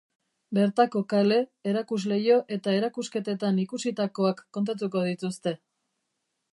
Bertako kale, erakusleiho eta erakusketetan ikusitakoak kontatuko dituzte.